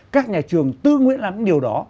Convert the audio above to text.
các nhà trường tư nguyện làm những điều đó